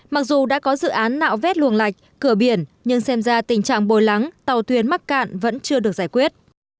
mặc dù đã có dự án nạo vét luồng lạch cửa biển nhưng xem ra tình trạng bôi lắng tàu thuyền mắc cạn vẫn chưa được giải quyết